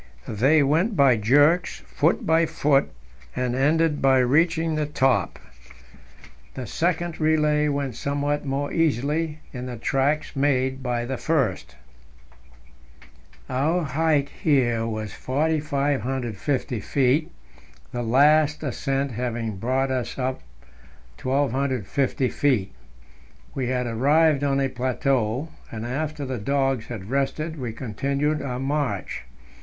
They went by jerks, foot by foot, and ended by reaching the top. The second relay went somewhat more easily in the tracks made by the first. Our height here was 4,550 feet, the last ascent having brought us up 1,250 feet; we had arrived on a plateau, and after the dogs had rested we continued our march.